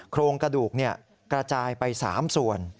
โครงกระดูกกระจายไป๓ส่วน